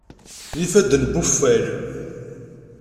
D ifadden n wuffal.